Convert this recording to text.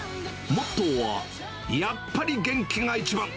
モットーは、やっぱり元気が一番。